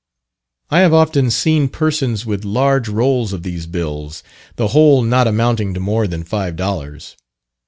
I have often seen persons with large rolls of these bills, the whole not amounting to more than five dollars.